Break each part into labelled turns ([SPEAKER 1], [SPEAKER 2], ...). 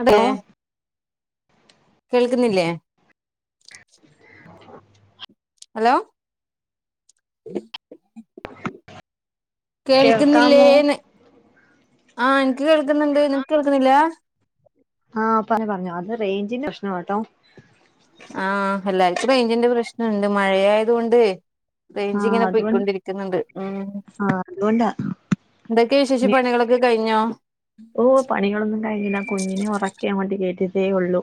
[SPEAKER 1] അതെ
[SPEAKER 2] ഹലോ
[SPEAKER 1] കേൾക്കുന്നില്ലേ
[SPEAKER 2] [inaudible]
[SPEAKER 1] ഹലോ
[SPEAKER 2] കേൾക്കാമോ?
[SPEAKER 1] കേൾക്കുന്നില്ലേന്ന് ആ ക്ക് കേൾക്കുന്നുണ്ട് നിങ്ങക്ക് കേൾക്കുന്നില്ല
[SPEAKER 2] ആഹ് പറഞ്ഞോ പറഞ്ഞൊ അത് റേഞ്ചിന്റെ പ്രശ്നവാട്ടോ
[SPEAKER 1] ആഹ് എല്ലാര്ക്കും റെയ്ഞ്ചിന്റെ പ്രശ്നംണ്ട് മഴയായതൊണ്ട്
[SPEAKER 2] ആഹ്
[SPEAKER 1] റേഞ്ച്ങ്ങനെ
[SPEAKER 2] അതുകൊണ്ട്
[SPEAKER 1] പോയ്ക്കൊണ്ടിരിക്കുന്നുണ്ട് ഉം
[SPEAKER 2] ആഹ് അതുകൊണ്ടാ
[SPEAKER 1] എന്തൊക്കെ വിശേഷം
[SPEAKER 2] ഇനി
[SPEAKER 1] പണികളൊക്കെ കയ്ഞ്ഞോ
[SPEAKER 2] ഓ പണികളൊന്നും കഴിഞ്ഞില്ല കുഞ്ഞിനെ ഒറക്കി അങ്ങോട്ട് കേറ്റിയതേ ഒള്ളു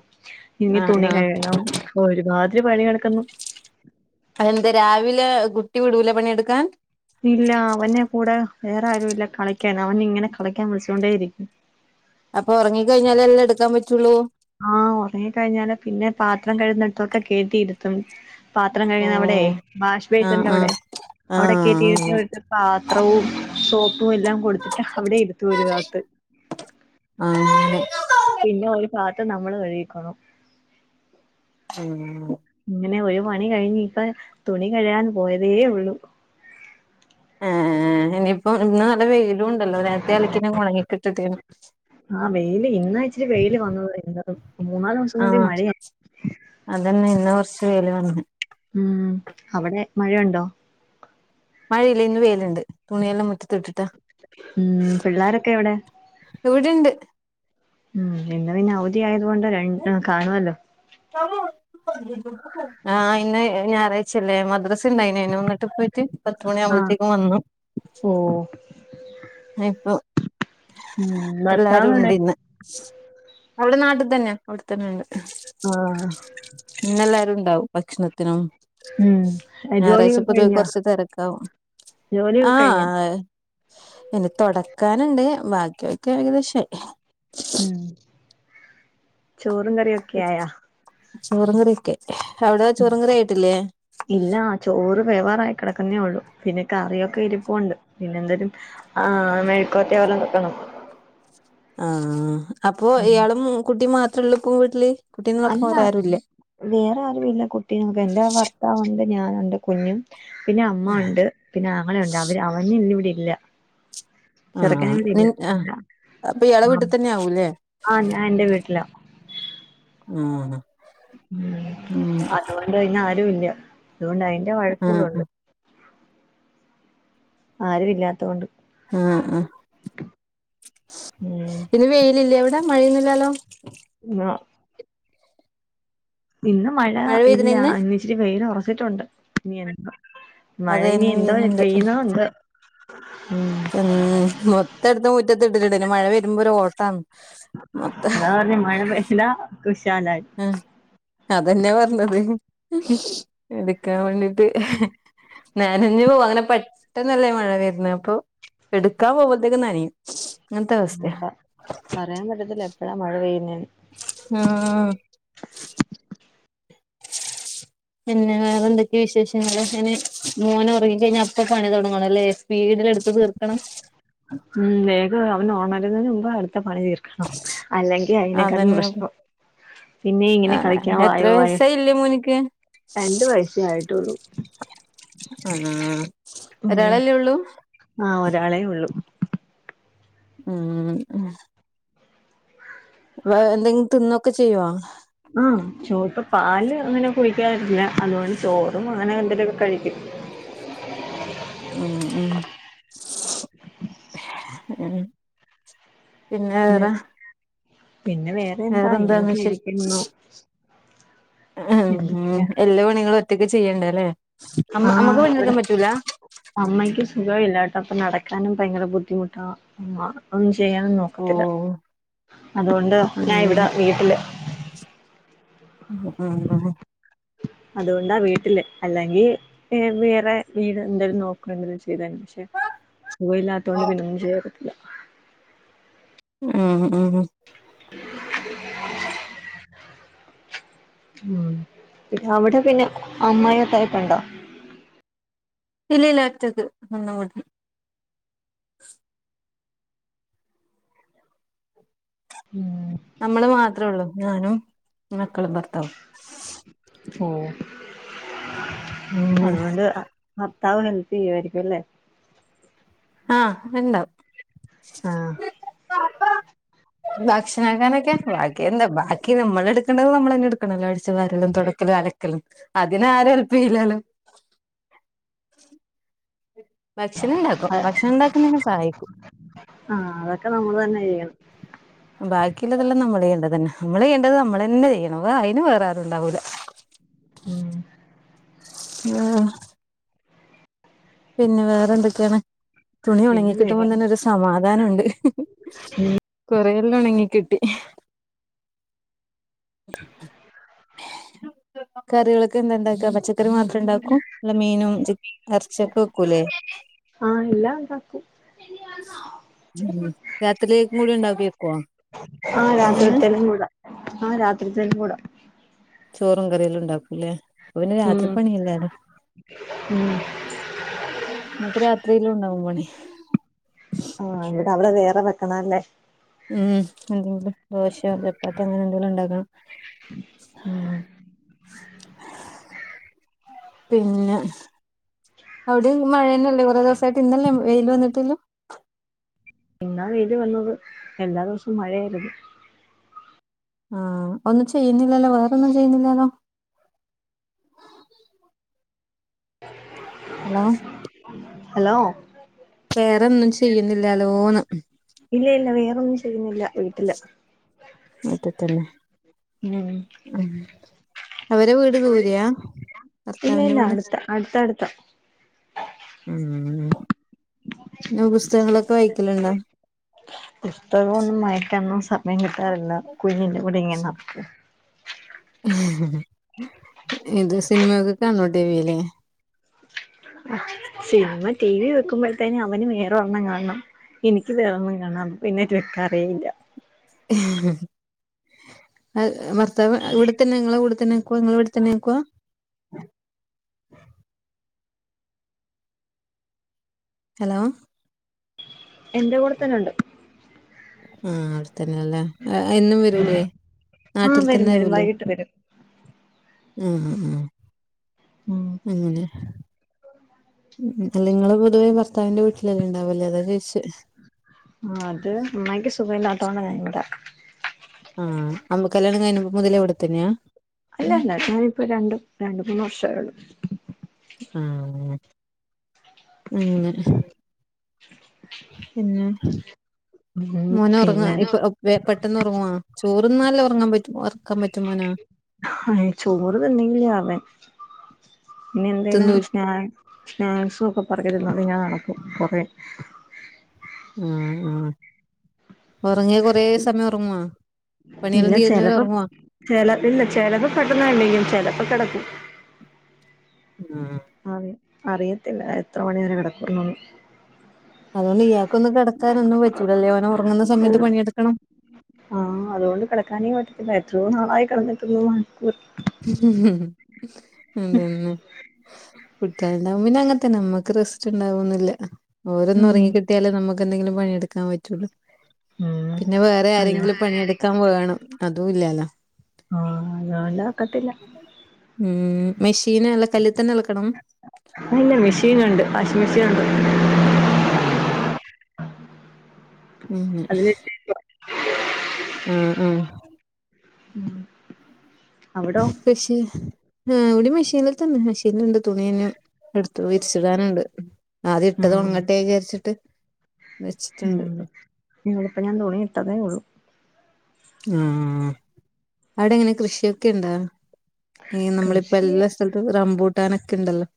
[SPEAKER 2] ഇനി
[SPEAKER 1] ആ
[SPEAKER 2] തുണി
[SPEAKER 1] ആ
[SPEAKER 2] കഴ്കണം ഒരുമാതിരി പണി കെടക്കുന്നു
[SPEAKER 1] അതെന്താ രാവിലെ കുട്ടി വിടൂല പണിയെടുക്കാൻ
[SPEAKER 2] ഇല്ല അവനെ കൂടെ വേറാരൂല്ല കളിക്കൻ അവനിങ്ങനെ കളിക്കാൻ വിളിച്ചോണ്ടേ ഇരിക്കും
[SPEAKER 1] അപ്പൊ ഒറങ്ങി കഴിഞ്ഞാലല്ലേ എടുക്കാൻ പറ്റുള്ളൂ
[SPEAKER 2] ആഹ് ഒറങ്ങി കഴിഞ്ഞാല് പിന്നെ പാത്രം കഴുന്നിടത്തൊക്കെ കേറ്റിയിരുത്തും പാത്രം
[SPEAKER 1] ഓ
[SPEAKER 2] കഴകുന്നവിടെ വാഷ്
[SPEAKER 1] ആ ആ
[SPEAKER 2] ബേസ്ന്റവിടെ
[SPEAKER 1] ആ
[SPEAKER 2] അവിടെ കേറ്റിയിരുത്തി [unintelligible] പാത്രവും സോപ്പുവെല്ലാം കൊടുത്തിട്ട് അവിടെ ഇരുത്തു ഒരു ഭാഗത്ത്
[SPEAKER 1] ആഹ്
[SPEAKER 2] പിന്നെ ഒരു ഭാത്ത് നമ്മള് കഴിയിക്കോണം
[SPEAKER 1] ഉം
[SPEAKER 2] ഇങ്ങനെ ഒരു മണി കഴിഞ്ഞിപ്പ തുണി കഴ്കാൻ പോയതേ ഉള്ളു
[SPEAKER 1] ആ ഇനിയിപ്പോ ഇന്ന് നല്ല വെയിലും ഉണ്ടല്ലോ നേരത്തെ അലക്കിന ഒണങ്ങിക്കിട്ടിട്ടാണ്
[SPEAKER 2] ആഹ് വെയില് ഇന്നാ ഇച്ചിരി വെയില് വന്നത് എന്താ മൂന്നാ
[SPEAKER 1] ആഹ് അതന്ന ഇന്ന് കൊറച്ച് വെയില് വന്ന
[SPEAKER 2] ഉം അവിടെ മഴയൊണ്ടോ
[SPEAKER 1] മഴയില്ല ഇന്ന് വേയിലുണ്ട് തുണിയെല്ലാം മുറ്റത്തിട്ടിട്ടാ
[SPEAKER 2] ഉം പിള്ളോരൊക്കെ എവിടെ
[SPEAKER 1] ഇവിടെണ്ട്
[SPEAKER 2] ഉം ഇന്ന് പിന്നവധി ആയത് കൊണ്ട് രണ്ട് കാണുവല്ലോ
[SPEAKER 1] ആ ഇന്ന് ഞായറാഴ്ചയല്ലേ മദ്രസ ഉണ്ടായിനെനു വന്നിട്ട് പോയി പത്ത് മണി
[SPEAKER 2] ആഹ്
[SPEAKER 1] ആമ്പഴത്തേക്കും വന്നു
[SPEAKER 2] ഓ
[SPEAKER 1] ഇനിപ്പൊ
[SPEAKER 2] ഉം
[SPEAKER 1] എല്ലാരും
[SPEAKER 2] ഭർത്താവ് എവിടെ
[SPEAKER 1] ഉണ്ടിന്ന് അവള് നാട്ടിൽ തന്നെ അവിടെത്തന്നെയണ്ട്
[SPEAKER 2] ആഹ്
[SPEAKER 1] ഇന്നെല്ലാരുണ്ടാവും ഭക്ഷണത്തിനും
[SPEAKER 2] ഉം
[SPEAKER 1] ഞായറാഴ്ച്ച
[SPEAKER 2] ജോലിയൊക്കെ
[SPEAKER 1] പൊതുവേ
[SPEAKER 2] കഴിഞ്ഞോ
[SPEAKER 1] കൊറച്ച് തെരക്കാവും
[SPEAKER 2] ജോലിയൊക്കെ കഴിഞ്ഞോ
[SPEAKER 1] ആഹ് ഇനി തൊടക്കാനുണ്ട് ബാക്കി ഒക്കെ ഏകദേശായി
[SPEAKER 2] ഉം ചോറും കറിയൊക്കെ ആയാ
[SPEAKER 1] ചോറുംകറിയൊക്കെ അവിടെ ചോറുംകറി ആയിട്ടില്ലേ
[SPEAKER 2] ഇല്ല ചോറ് വേവാറായി കെടക്കുന്നേ ഉള്ളൂ പിന്നെ കറിയൊക്കെ ഇരിപ്പോണ്ട് പിന്നെ എന്തേലും ആഹ് മെഴുക്കൊരട്ടി പോലെ വെക്കണം
[SPEAKER 1] ആഹ് അപ്പൊ ഇയാളും കുട്ടി മാത്രേള്ളൂ ഇപ്പ വീട്ടില് കുട്ടിനെ നോക്കാ വേറെയാരുംല്ലേ
[SPEAKER 2] വേറാരുവില്ല കുട്ടിയേ നോക്കാൻ എന്റെ ഭർത്താവുണ്ട് ഞാനുണ്ട് കുഞ്ഞും പിന്നെ അമ്മ ഒണ്ട് പിന്നെ അങ്ങനെ എല്ല. അവര് അവന് ഇന്നിവിടെ ഇല്ല.
[SPEAKER 1] ആഹ്
[SPEAKER 2] ചെറുക്കനും
[SPEAKER 1] നിൻ
[SPEAKER 2] തിന്നും.
[SPEAKER 1] ആഹ് അപ്പൊ ഇയാളെ
[SPEAKER 2] ആം.
[SPEAKER 1] വീട്ടിൽ തന്നെ ആവൂല്ലേ
[SPEAKER 2] ആ ഞാ എന്റെ വീട്ടില.
[SPEAKER 1] ആഹ.
[SPEAKER 2] മ് അതൊണ്ട് അയിനാരു ഇല്ല അതൊണ്ട് അയിന്റെ
[SPEAKER 1] ആഹ്
[SPEAKER 2] വഴക്കൂടുണ്ട്. ആരുവില്ലാത്ത കൊണ്ട്.
[SPEAKER 1] ഉം ഉം.
[SPEAKER 2] ഉം
[SPEAKER 1] ഇന്ന് വെയിലില്ലേ അവിടെ മഴയൊന്നുല്ലാലോ?
[SPEAKER 2] ഇല്ലാ ഇന്ന് മഴ ഇല്ല.
[SPEAKER 1] പെയ്തിണോ ഇന്ന്
[SPEAKER 2] ഇന്നിച്ചിരി വെയിൽ ഒറച്ചിട്ടുണ്ട്. ഇനി എ മഴ
[SPEAKER 1] അതെ
[SPEAKER 2] ഇനി
[SPEAKER 1] ഇന്ന്
[SPEAKER 2] എന്തോ
[SPEAKER 1] വെയിലുണ്ട്
[SPEAKER 2] ചെയ്യുന്നോ എന്തോ. ഉം.
[SPEAKER 1] ഉം. മൊത്തം എടുത്ത് മുറ്റത്ത് ഇട്ടിട്ടുണ്ട്. ഇനി മഴ വരുമ്പോ ഒരു ഓട്ടാന്ന്.
[SPEAKER 2] അതാ പറഞ്ഞെ, മഴ പെയ്താ കുശാലായി.
[SPEAKER 1] മ്മ്. അതെന്നെ പറഞ്ഞത്. എട്ക്കാൻ വേണ്ടീട്ട്. നനഞ്ഞു പോവും. അങ്ങനെ പെട്ടെന്നല്ലേ മഴ വര്ന്നേ. അപ്പൊ എട്ക്കാൻ പോവ്മ്പഴത്തേക്കും നനയും. അങ്ങനത്തവസ്ഥയാ.
[SPEAKER 2] എന്താ പറയാൻ പറ്റത്തില്ല എപ്പഴാ മഴ പെയ്യുന്നേന്ന്
[SPEAKER 1] ആഹ് പിന്നെ വേറെ എന്തൊക്കെയ വിശേഷങ്ങള് ഇനി മോനൊറങ്ങിക്കഴിഞ്ഞാ അപ്പൊ പണി തൊടങ്ങണല്ലേ സ്പീഡിൽ എടുത്ത് തീർക്കണം.
[SPEAKER 2] ഉം വേഗം അവന് ഉണരുന്നതിന് മുമ്പ് അടുത്ത പണി തീർ അല്ലെങ്കി അയിനേക്കാട്ടിലും
[SPEAKER 1] അതന്നെ
[SPEAKER 2] പ്രശ്നാ പിന്നെ ഇങ്ങനെ കളിക്കാൻ
[SPEAKER 1] എത്ര
[SPEAKER 2] വായോ വായോ.
[SPEAKER 1] വയസായി ഇല്ലേ മോനിക്ക്
[SPEAKER 2] രണ്ട് വയസ്സേ ആയിട്ടുള്ളു.
[SPEAKER 1] ആഹ്
[SPEAKER 2] ഉം
[SPEAKER 1] ഒരാളല്ലേ ഉള്ളൂ.
[SPEAKER 2] ആഹ് ഒരാളേ ഉള്ളൂ
[SPEAKER 1] ഉം വ് എന്തെങ്കി തിന്നൊക്കെ ചെയ്യുവോ?
[SPEAKER 2] ആഹ് ചോ ഇപ്പ പാല് അങ്ങനെ കുടിക്കാറില്ല അതുകൊണ്ട് ചോറും അങ്ങനെ എന്തേലൊക്കെ കഴിക്കും.
[SPEAKER 1] ഉം ഉം ഉം പിന്നെ വേറെ
[SPEAKER 2] പിന്നെ വേറെ എന്താ
[SPEAKER 1] വേറെന്താ
[SPEAKER 2] ഇങ്ങനൊക്കെ
[SPEAKER 1] വിശേ
[SPEAKER 2] ഇരിക്കുന്നു എന്തൊക്കെയാ
[SPEAKER 1] ഉം എല്ലാ പണികളും ഒറ്റക്ക് ചെയ്യണ്ടേല്ലേ അമ്മ് അമ്മക്ക്
[SPEAKER 2] ആഹ് ഇവിടെ
[SPEAKER 1] പണിയെടുക്കാൻ പറ്റൂലാ
[SPEAKER 2] അമ്മയ്ക്ക് സുഖവില്ലാട്ടോ അപ്പൊ നടക്കാനും ഭയങ്കര ബുദ്ധിമുട്ടാ ആഹ് അപ്പ ഒന്നും ചെയ്യാനൊന്നും
[SPEAKER 1] ഓ
[SPEAKER 2] ഒക്കത്തില്ല അതുകൊണ്ട് ഞാ ഇവിടെ
[SPEAKER 1] അങ്ങനെ
[SPEAKER 2] വീട്ടില്
[SPEAKER 1] ആഹ് ആഹ്.
[SPEAKER 2] അതുകൊണ്ടാ വീട്ടില് അല്ലെങ്കീ ഏഹ് വേറെ വീട് എന്തായാലും നോക്കണ [unintelligible] പക്ഷെ സുഖില്ലാ ത്തോണ്ട് പിന്നെ ഒന്നും ചെയ്യാൻ ഒക്കത്തില്ല.
[SPEAKER 1] ആഹ് ആഹ്
[SPEAKER 2] ഉം അവിടെ പിന്നെ അമ്മായും അത്തായൊക്കെ എണ്ടോ?
[SPEAKER 1] ഇല്ലില്ല ഒറ്റക്ക് [unintelligible]
[SPEAKER 2] ഉം
[SPEAKER 1] നമ്മള് മാത്രേ ഉള്ളൂ ഞാനും മക്കളും ഭർത്താവും.
[SPEAKER 2] ഓഹ്
[SPEAKER 1] അങ്ങനെ
[SPEAKER 2] അതുകൊണ്ട് ഭർത്താവ് ഹെല്പ് ചെയ്യുവായിരിക്കും അല്ലേ?
[SPEAKER 1] ആഹ് എണ്ടാവും.
[SPEAKER 2] ആഹ്
[SPEAKER 1] ഭക്ഷണം ആക്കാനൊക്കെ ബാക്കി എന്താ ബാക്കി നമ്മള് എടുക്കണ്ടത് നമ്മള് തന്നെ എടുക്കണല്ലോ അടിച്ച് വാരലും തൊട ക്കലും അലക്കലും അതിന് ആരും ഹെല്പ് ചെയ്യില്ലാല്ലോ ഭക്ഷണം ഇണ്ടാക്കും ഭക്ഷണം ഇണ്ടാക്കുന്നേന് സഹായിക്കും.
[SPEAKER 2] ആഹ് അതൊക്കെ നമ്മള് തന്നെ ചെയ്യണം.
[SPEAKER 1] ബാക്കിയിള്ളതെല്ലാം നമ്മള് ചെയ്യണ്ടതന്നെ നമ്മള് ചെയ്യണ്ടത് നമ്മള് തന്നെ ചെയ്യണം വേറാരും അതിന് വേറെ ആരും ഉണ്ടാവൂല്ലാ.
[SPEAKER 2] ഉം
[SPEAKER 1] ഉം. പിന്നെ വേറെ എന്തൊക്കെയാണ് തുണി ഒണങ്ങി
[SPEAKER 2] പിന്നെ
[SPEAKER 1] കിട്ടുമ്പോ
[SPEAKER 2] വേറെ
[SPEAKER 1] തന്നെ ഒരു സമാധാനം ഒണ്ട്. കൊറെയല്ലാം ഉണങ്ങി കിട്ടി ഇഹ് കറികളൊക്കെ എന്താ ഇണ്ടാക്ക പച്ചക്കറി മാത്ര ഇണ്ടാക്ക ഉം മീനും ചി ഇറച്ചൊക്കെ വെക്കൂല്ലേ
[SPEAKER 2] ആഹ് എല്ലാം ഉണ്ടാക്കു [unintelligible]
[SPEAKER 1] രാത്രിയെക്കും കൂടി ഉണ്ടാക്കി വക്കുവോ ഇപ്പത്തന്നെ
[SPEAKER 2] ആ രാതൃത്തേക്കും കൂടെ
[SPEAKER 1] ചോറും കറിയെല്ലാം ഉണ്ടാക്കൂല്ലേ അപ്പ പിന്നെ
[SPEAKER 2] ഉം
[SPEAKER 1] രാത്രി പണിയല്ലാലൊ
[SPEAKER 2] ഉം
[SPEAKER 1] നമുക്ക് രാത്രിയിലും ഉണ്ടാവും പണി
[SPEAKER 2] ആഹ് ഇവിടെ അവിടെ വേറെ വെക്കണല്ലേ
[SPEAKER 1] മ്മ്ഹ്. അതുകൊണ്ട് ദോശ്യോ. ചപ്പാത്തി അങ്ങനെ എന്തെലുണ്ടാക്കണം.
[SPEAKER 2] മ്മ്
[SPEAKER 1] പിന്നെ അവിടേം മഴന്നല്ലേ. കുറെേ ദിവസയിട്ട് ഇന്നന്നെ വെയില്. വന്നിട്ടല്ലോ.
[SPEAKER 2] ഇന്നാ വെയില് വന്നത്. എല്ലാ ദിവസവും മഴയേര്ത്.
[SPEAKER 1] ആഹ. ഒന്നും ചെയ്യിന്നില്ലല്ലോ. വേറൊന്നും ചെയ്യുന്നില്ലാല്ലോ? Hello
[SPEAKER 2] hello.
[SPEAKER 1] വേറെന്നു ചെയ്യുന്നില്ലലോന്ന്.
[SPEAKER 2] ഇല്ലേ. ഇല്ല വേറൊന്നും ചെയ്യുന്നില്ല വീട്ടില്.
[SPEAKER 1] മിറ്റത്തല്ലെ
[SPEAKER 2] ഉം
[SPEAKER 1] അവരെ വീട് ദൂരയാ
[SPEAKER 2] ഇല്ല
[SPEAKER 1] ഭർത്താവിന്റെ
[SPEAKER 2] ഇല്ല
[SPEAKER 1] വീട്?
[SPEAKER 2] അടുത്ത അടുത്തടുത്ത
[SPEAKER 1] ഉം ന പുസ്തകങ്ങളൊക്കെ വായിക്കലുണ്ടോ?
[SPEAKER 2] ഇഷതതൊന്നും വായിക്കന്നും സമയം കിട്ടാറില്ല കുഞ്ഞിന്റെ കൂടി ഇങ്ങനെ നടക്ക
[SPEAKER 1] ഇത് സിനിമക്കെ കാണോ ടിവിൽ
[SPEAKER 2] സിനിമ ടിവി വെക്കുമ്പോഴതെക്കും അവനും വേറെ വണ്ണം കാണണം [unintelligible] വക്കാ അറിയില്ല
[SPEAKER 1] [inaudible] ഭർത്താവ് ഇവിടെത്തന്നെ നിങ്ങളെ കൂടെത്തന്നെ ഇവിടെ തന്നെക്കുവ നിങ്ങളെ ഇവിടെത്തന്നെ ആക്കുവാ ഹലോ.
[SPEAKER 2] എന്റെ കൂടെ തന്നെണ്ട്.
[SPEAKER 1] ആ അവടെത്തന്നെല്ലേ. ആ ഹേ. എന്നും വെരൂലേ
[SPEAKER 2] ആഹ്
[SPEAKER 1] നാട്ടിൽ
[SPEAKER 2] വരും
[SPEAKER 1] തന്നെ
[SPEAKER 2] വരും
[SPEAKER 1] ആവൂലേ.
[SPEAKER 2] വൈകിട്ട് വരും
[SPEAKER 1] ആഹ് ആഹ്
[SPEAKER 2] ഉം
[SPEAKER 1] അങ്ങനെ മ്ഹ്. അല്ലേങ്ങള്. പൊതുവേ ഭർത്താവിന്റെ വീട്ടിലല്ലേണ്ടാവല്. അതാ ചോയിച്ച
[SPEAKER 2] ആത്. അമ്മായ്ക്ക് സുഖയില്ലാതോണ്ട. ഞാനിവിടെ.
[SPEAKER 1] ആഹ. അമ്മക്കല്ല്യണം കഴിഞ്ഞപ. മുതലേവിടെത്തന്നെയാ.
[SPEAKER 2] അല്ലല്ല ഞാനിപ്പോ രണ്ടു രണ്ട് മൂന്ന് വർഷായള്ളൂ.
[SPEAKER 1] ആഹ് അങ്ങനെ
[SPEAKER 2] [inaudible]
[SPEAKER 1] പിന്നെ
[SPEAKER 2] ഉം
[SPEAKER 1] മോനൊറങ്ങാ.
[SPEAKER 2] പിന്നെ
[SPEAKER 1] ഇപ്പൊ ഒപ്പ്. വെ, പെട്ടെന്നൊറങ്ങുവ? ചോറ്ന്നാലേ ഒറങ്ങാപറ്റും ഒറക്കപറ്റും മോന.
[SPEAKER 2] ആയി. ചോറ്തിന്നങ്കി അവൻ. പിന്ന എന്തേനെ
[SPEAKER 1] തിന്നൂൽ
[SPEAKER 2] സ്നേ സ്നെക്സുക്കെ പറക്കിന്നാണ്ട്. ഞ്ഞ അറകും കുറേ.
[SPEAKER 1] ആഹ് ആഹ് ഒറങ്ങിയ കൊറേ സമയംഒറങ്ങുവ. പണിയെല്ലാം
[SPEAKER 2] ഇല്ല
[SPEAKER 1] തീരുന്നവരെ
[SPEAKER 2] ചെലപ്പം
[SPEAKER 1] ഒറങ്ങുവ.
[SPEAKER 2] ചെല ഇല്ല. ചെലത് പെട്ടന്ന് എണീക്കും ചെലപ്പകെടക്കും.
[SPEAKER 1] ആഹ.
[SPEAKER 2] അറി. അറിയത്തില്ല എത്ര മണി വരെ കെടക്കൂന്നൊന്ന്.
[SPEAKER 1] അതോണ്ട് ഇയാക്കൊന്ന് കെടക്കാനൊന്നും പറ്റൂലല്ലേ. ഓന് ഒറങ്ങ്ന്ന സമയത്ത്
[SPEAKER 2] ഓഹ്
[SPEAKER 1] പണിയെടുക്കണം.
[SPEAKER 2] ആഹ് അതുകൊണ്ട് കിടക്കാനേ പറ്റത്തില്ല എത്രയോ നാളായി കിടന്നിട്ടിന്നു മണിക്കൂർ
[SPEAKER 1] അതന്നെ കുട്ടികളിണ്ടാകുമ്പോ പിന്നെ അങ്ങനതന്നെ നമ്മ ക്ക് റസ്റ്റ് ഉണ്ടാവോന്നും ഇല്ല ഓരൊന്ന്
[SPEAKER 2] ഉം
[SPEAKER 1] ഒറങ്ങി കിട്ടിയാലേ നമുക്ക് എന്തെങ്കിലും പണിയെടുക്കാൻ പറ്റോള്ളൂ
[SPEAKER 2] ഉം
[SPEAKER 1] പിന്നെ വേറെ
[SPEAKER 2] അങ്ങനെ
[SPEAKER 1] ആരെങ്കിലും പണിയെടുക്കാൻ വേണം അതും ഇല്ലാല്ലോ
[SPEAKER 2] ആഹ് ഞാനില്ലാതൊക്കത്തില്ല
[SPEAKER 1] ഉം മെഷീൻ അല്ല കല്ലി തന്നെ അലക്കണം
[SPEAKER 2] ഇല്ല മെഷീനിണ്ട് വാഷിംങ് മെഷീനെണ്ട്
[SPEAKER 1] ആം ഉഹും
[SPEAKER 2] അതില്
[SPEAKER 1] ആഹ് ആഹ്
[SPEAKER 2] ഉം
[SPEAKER 1] പക്ഷെ ആഹ് ഇവിടി മെഷീനിൽ തന്നെ മെഷീനിൽണ്ട് തുണില്ലാം എടുത്തു വിരിച്ചിടാനുണ്ട് അത്
[SPEAKER 2] ഉം
[SPEAKER 1] ഇട്ടത് ഒണങ്ങട്ടെ വിചാരിച്ചിട്ട്
[SPEAKER 2] ഉം
[SPEAKER 1] വെച്ചിട്ടുണ്ട്
[SPEAKER 2] ഞങ്ങൾ ഇപ്പ ഞാൻ തുണി ഇട്ടതേ ഉള്ളൂ
[SPEAKER 1] ആഹ് അവിടെ എങ്ങനെ കൃഷിയൊക്കെ ഇണ്ടാ ഈ നമ്മളിപ്പോ
[SPEAKER 2] കൃഷി
[SPEAKER 1] എല്ലാം ചെലപ്പോ റമ്പൂട്ടാനൊക്കെ ഇണ്ടല്ലോ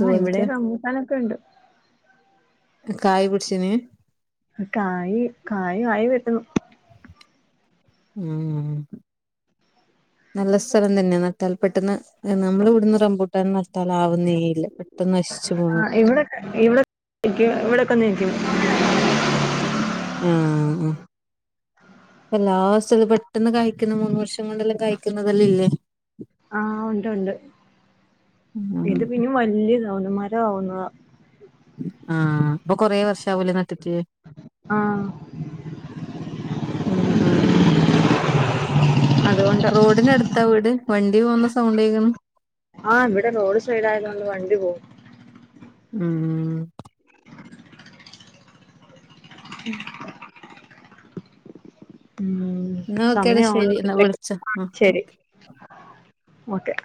[SPEAKER 2] ആഹ് ഇവിടെ റംബൂട്ടാനൊക്കെ ഉണ്ട്
[SPEAKER 1] കായ് പുടിച്ചിനി
[SPEAKER 2] കായ് കായ് ആയ് വരുന്നു
[SPEAKER 1] ഉം നല്ല സ്ഥലം തന്നെയാണ് നട്ടാൽ പെട്ടെന്ന് നമ്മള് ഇവിടന്ന് റബൂ പെട്ടെന്ന് നട്ടാൽ ആവുന്നേയില്ല പെട്ടെന്ന് നശിച്ചു
[SPEAKER 2] ആഹ്
[SPEAKER 1] പോവുന്നൊക്കെ
[SPEAKER 2] ഇവിടെ ഇവിടെ ക്കൊന്നിരിക്കെ
[SPEAKER 1] ആഹ് എല്ലാ സ്ഥലും പെട്ടെന്ന് കഴിക്കുന്ന് മൂന്ന് വർഷം കൊണ്ടല്ലാം കായി ക്കുന്നതല്ല ഇല്ലേ
[SPEAKER 2] ആഹ് ഉണ്ട് ഉണ്ട്
[SPEAKER 1] ഉം
[SPEAKER 2] ഇത് പിന്നെ വലിയതാവുന്ന മരം ആവുന്നതാ
[SPEAKER 1] ആഹ് ഇപ്പൊ കൊറെേ വർഷാവുല്ലോ നട്ടിട്ട്
[SPEAKER 2] ആഹ്
[SPEAKER 1] ഉം മം മം
[SPEAKER 2] അതുകൊണ്ട്
[SPEAKER 1] റോഡിൻ അടുത്താ വീട് വണ്ടി പോകുന്ന സൗണ്ട് കേക്ക്ണ്
[SPEAKER 2] ആഹ് ഇവിടെ റോഡ് സൈഡ് ആയതൊണ്ട് വണ്ടി പോകും
[SPEAKER 1] ഉം ഉ [inaudible]
[SPEAKER 2] ഉം
[SPEAKER 1] എന്നാ ഓക്കേടാ
[SPEAKER 2] സമയം
[SPEAKER 1] ശരി
[SPEAKER 2] ആവുന്നു
[SPEAKER 1] എന്നാ വിളിച്ചോ
[SPEAKER 2] ശരി
[SPEAKER 1] ആഹ്
[SPEAKER 2] മം ഓക്കെ